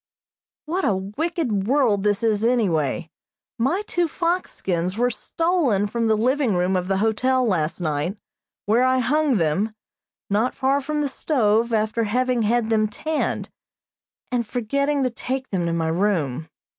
What a wicked world this is anyway! My two fox skins were stolen from the living room of the hotel last night, where I hung them, not far from the stove, after having had them tanned, and forgetting to take them to my room.